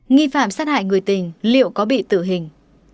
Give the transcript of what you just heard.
nghi phạm sát hại người tình liệu có bị tử hình